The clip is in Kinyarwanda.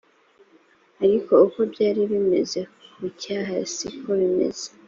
ariko uko byari bimeze ku cyaha si ko bimeze